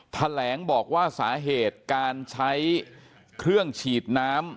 แถลงบอกว่าสาเหตุการใช้เครื่องฉีดน้ำ